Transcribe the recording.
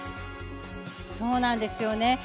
そうなんですよね。